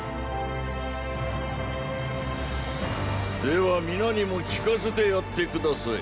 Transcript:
では皆にも聞かせてやって下さい。